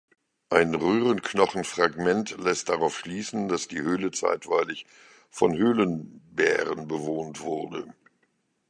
Ein Röhrenknochen-Fragment lässt darauf schließen, dass die Höhle zeitweilig von Höhlenbären bewohnt wurde.